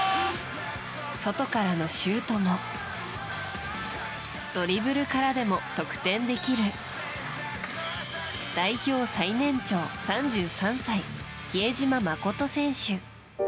外からのシュートもドリブルからでも得点できる、代表最年長３３歳比江島慎選手。